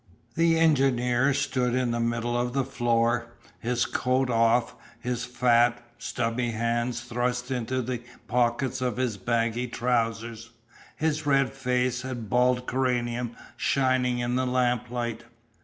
The engineer stood in the middle of the floor, his coat off, his fat, stubby hands thrust into the pockets of his baggy trousers, his red face and bald cranium shining in the lamplight.